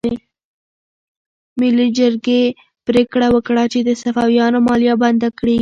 ملي جرګې پریکړه وکړه چې د صفویانو مالیه بنده کړي.